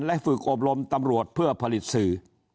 และฝึกอบรมตำรวจเพื่อผลิตสื่อ